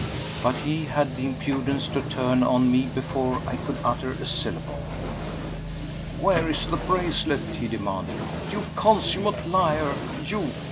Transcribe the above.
But he had the impudence to turn on me before I could utter a syllable. "Where is the bracelet?" he demanded. "You consummate liar, you!